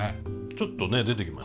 ちょっとね出てきましたね。